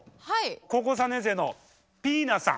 高校３年生のぴぃなさん！